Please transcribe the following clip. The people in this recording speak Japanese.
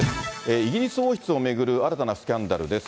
イギリス王室を巡る新たなスキャンダルです。